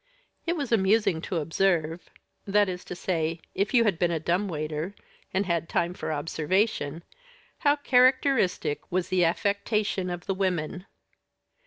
It was amusing to observe that is to say, if you had been a dumb waiter, and had time for observation how characteristic was the affectation of the women.